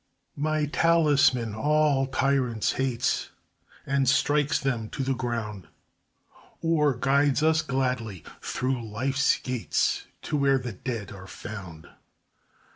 My talisman all tyrants hates, And strikes them to the ground; Or guides us gladly through life's gates To where the dead are found.